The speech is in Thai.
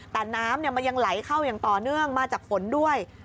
แต่น้ำมันยังไหลเข้าอย่างต่อเนื่องมาจากฝนด้วย